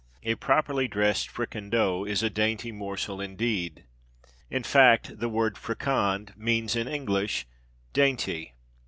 A properly dressed fricandeau is a dainty morsel indeed. In fact the word fricand means, in English, "dainty."